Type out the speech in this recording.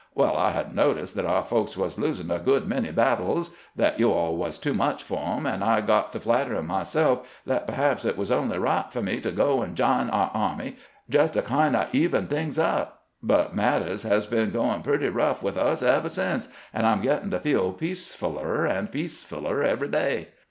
Well, I had noticed that our folks was losin' a good many battles ; that you aU was too much for 'em ; and I got to flatterin' myself that perhaps it was only right fo' me to go and jine our army, jes' to kind o' even things up. But matters has been goin' pretty rough with us ever since, and I 'm gettin' to feel peacef uUer and peacef uUer every day.